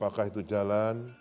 jalan nasional perbatasan paralel